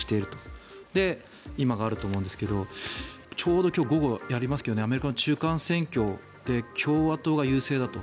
それで今があると思うんですがちょうど今日午後やりますがアメリカの中間選挙で共和党が優勢だと。